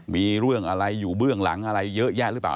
มีเรื่องอะไรอยู่เบื้องหลังอะไรเยอะแยะหรือเปล่า